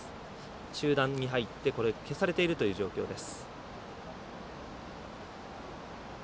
中断に入って消されているという状況です。